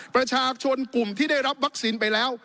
ประชาชนกลุ่มที่ได้รับวัคซีนไปแล้ว